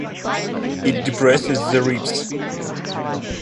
It depresses the ribs.